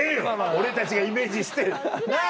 俺たちがイメージして。なぁ！